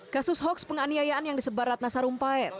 kasus hoaks penganiayaan yang disebar ratna sarumpae